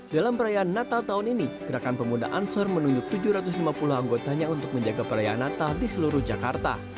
dalam perayaan natal tahun ini gerakan pemuda ansor menunjuk tujuh ratus lima puluh anggotanya untuk menjaga perayaan natal di seluruh jakarta